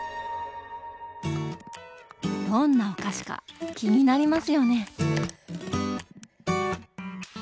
どんなお菓子か気になりますよね！